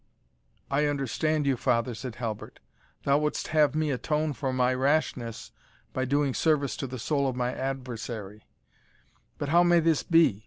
"I understand you, father," said Halbert; "thou wouldst have me atone for my rashness by doing service to the soul of my adversary But how may this be?